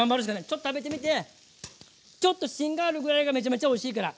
ちょっと食べてみてちょっと芯があるぐらいがめちゃめちゃおいしいから。